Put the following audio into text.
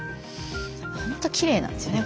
ほんときれいなんですよね